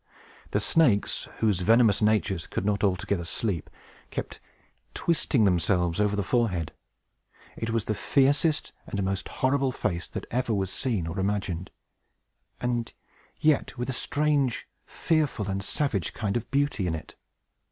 The snakes, whose venomous natures could not altogether sleep, kept twisting themselves over the forehead. It was the fiercest and most horrible face that ever was seen or imagined, and yet with a strange, fearful, and savage kind of beauty in it.